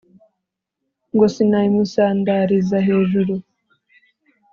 Ngo sinayimusandariza hejuru,